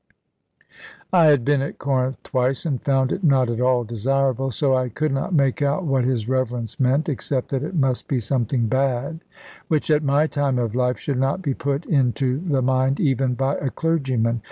I had been at Corinth twice, and found it not at all desirable; so I could not make out what his Reverence meant, except that it must be something bad; which at my time of life should not be put into the mind even by a clergyman.